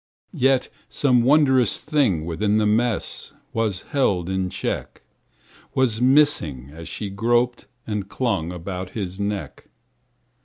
Yet some wondrous thing within the mess Was held in check:— Was missing as she groped and clung About his neck.